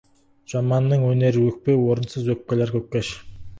Жаманның өнері өкпе, орынсыз өкпелер көпке.